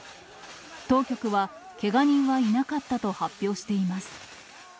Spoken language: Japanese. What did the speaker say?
当局は、けが人はいなかったと発表しています。